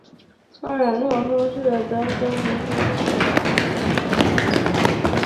韦尔诺伊亨是德国勃兰登堡州的一个市镇。